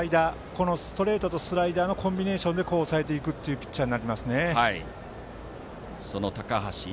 このストレートとスライダーのコンビネーションで抑えていくというピッチャーですね。